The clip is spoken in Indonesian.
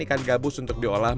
kalau di kolam